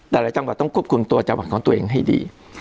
แต่ละจังหวัดต้องควบคุมตัวจังหวัดของตัวเองให้ดี